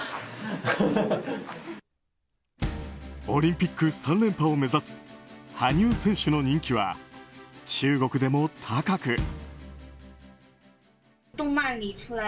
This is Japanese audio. オリンピック３連覇を目指す羽生選手の人気は中国でも高く。